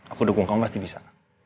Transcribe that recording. aku dukung kamu pasti bisa